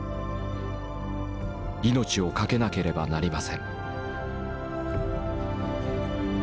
『命』をかけなければなりません」。